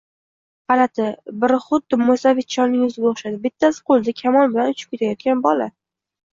Gʻalati: biri xuddi moʻysafid cholning yuziga oʻxshaydi, bittasi qoʻlida kamon bilan uchib kelayotgan bola.